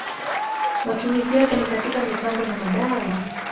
Matumizi yake ni katika mitambo na madawa.